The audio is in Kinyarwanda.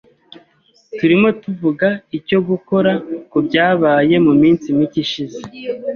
Turimo tuvuga icyo gukora kubyabaye muminsi mike ishize.